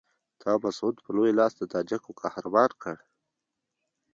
تا مسعود په لوی لاس د تاجکو قهرمان کړ.